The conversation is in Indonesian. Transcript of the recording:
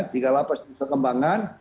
tiga lapas nusa kembangan